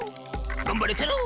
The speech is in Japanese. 『がんばれケロ！』。